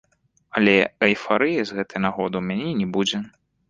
Але эйфарыі з гэтай нагоды ў мяне не будзе.